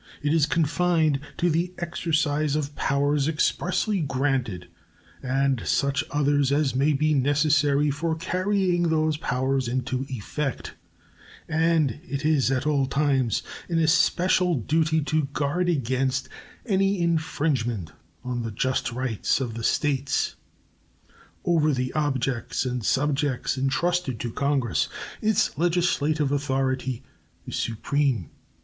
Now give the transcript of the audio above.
It is confined to the exercise of powers expressly granted and such others as may be necessary for carrying those powers into effect; and it is at all times an especial duty to guard against any infringement on the just rights of the States. Over the objects and subjects intrusted to Congress its legislative authority is supreme.